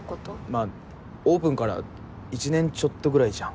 まあオープンから１年ちょっとぐらいじゃん。